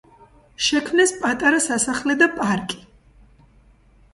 შექმნეს პატარა სასახლე და პარკი.